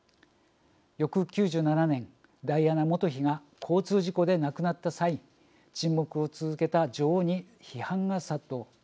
翌９７年ダイアナ元妃が交通事故で亡くなった際沈黙を続けた女王に批判が殺到。